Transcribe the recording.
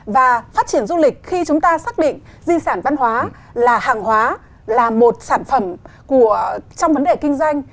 và phát triển du lịch khi chúng ta xác định di sản văn hóa là hàng hóa là một sản phẩm trong vấn đề kinh doanh